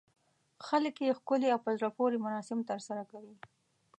خلک یې ښکلي او په زړه پورې مراسم ترسره کوي.